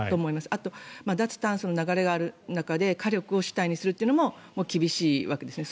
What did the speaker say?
あと、脱炭素の流れがある中で火力を主体にするのも厳しいわけですね。